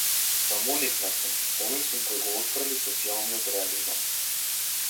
Самоникнат сум, оној сум кој го отфрли социјалниот реализам.